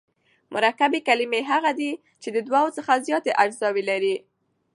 مرکبي کلیمې هغه دي، چي د دوو څخه زیاتي اجزاوي لري.